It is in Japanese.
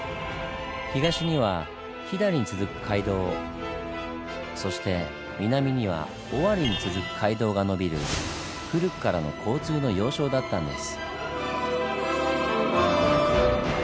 東には飛騨に続く街道そして南には尾張に続く街道が延びる古くからの交通の要衝だったんです。